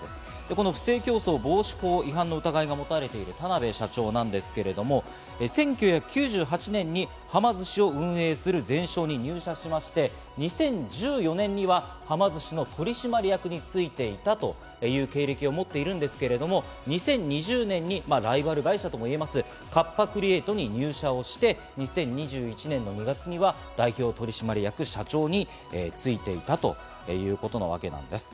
この不正競争防止法違反の疑いが持たれている田辺社長なんですけれども、１９９８年にはま寿司を運営するゼンショーに入社しまして、２０１４年にははま寿司の取締役に就いていたという経歴を持っているんですけれども、２０２０年にライバル会社ともいえます、カッパ・クリエイトに入社をして、２０２１年の２月には代表取締役社長に就いていたというわけなんです。